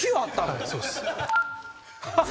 はいそうです。